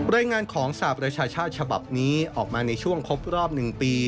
รายงานของสหประชาชาติฉบับนี้ออกมาในช่วงครบรอบ๑ปี